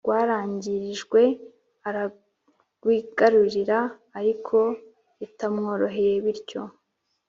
rwaragirijwe, ararwigarurira, ariko bitamworoheye. bityo